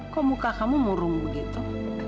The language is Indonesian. kok muka kamu murung begitu